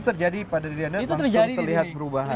itu terjadi pada diri anda langsung terlihat berubah